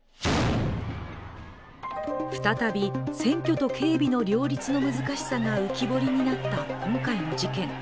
再び選挙と警備の両立の難しさが浮き彫りになった、今回の事件。